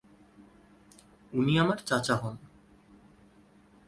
উনি আমার চাচা হন।